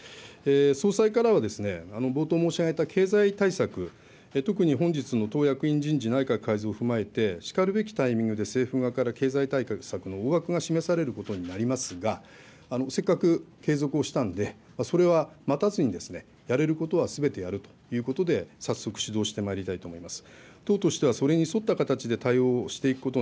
総裁からはですね、冒頭申し上げた経済対策、特に本日の党役員人事・内閣改造を踏まえて、しかるべき体制でから経済対策の大枠を示されることになりますが、せっかく継続をしたんで、それは待たずに、やれることはすべてやるということで、早速始動してまいりたいと思います。